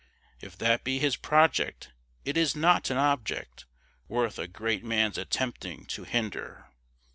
"If that be his project, It is not an object Worth a great man's attempting to hinder.